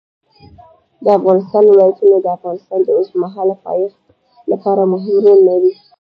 د افغانستان ولايتونه د افغانستان د اوږدمهاله پایښت لپاره مهم رول لري.